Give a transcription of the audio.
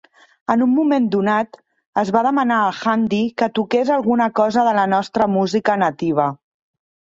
En un moment donat, es va demanar a Handy que "toqués alguna cosa de la nostra música nativa".